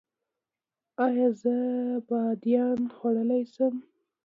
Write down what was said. ایا زه بادیان خوړلی شم؟